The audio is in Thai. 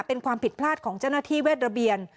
เป็นความผิดพลาดของเจ้าหน้าที่เวทระเบียน